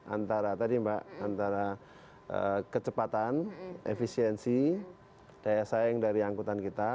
antara tadi mbak antara kecepatan efisiensi daya saing dari angkutan kita